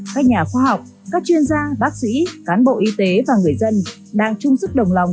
các nhà khoa học các chuyên gia bác sĩ cán bộ y tế và người dân đang chung sức đồng lòng